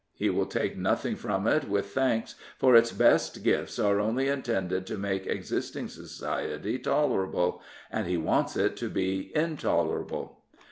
He will take nothing from it with thanks, for its best gifts are only intended to make existing society tolerable, and he wants it to be intolerable.